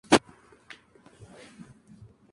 Su club de origen es el San Isidro Club.